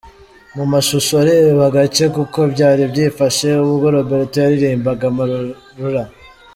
Mu mashusho reba agace k'uko byari byifashe ubwo Roberto yaririmbaga 'Amarulah'.